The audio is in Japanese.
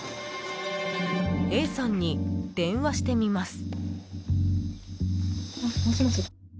Ａさんに電話してみます。